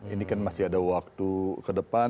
ini kan masih ada waktu ke depan